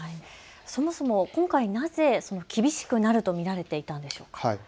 そもそも、なぜ今回厳しくなると見られていたのでしょうか。